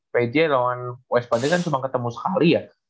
pj lawan uspada kan cuma ketemu sekali ya